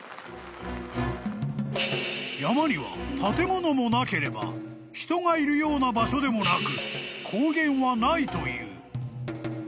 ［山には建物もなければ人がいるような場所でもなく光源はないという］